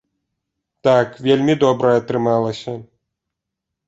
Так, вельмі добра атрымалася.